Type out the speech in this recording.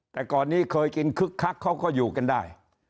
แต่ก่อนนี้เคยกินคึกคักเขาก็อยู่กันได้